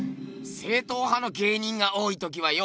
正統派の芸人が多いときはよ